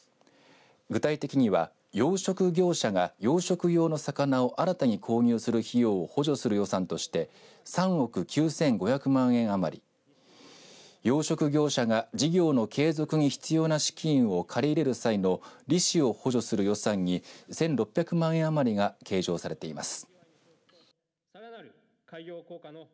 具体的には養殖業者が養殖用の魚を新たに購入する費用を補助する予算として３億９５００万円余り養殖業者が事業の継続に必要な資金を借り入れる際の利子を補助する予算に１６００万円余りが計上されています。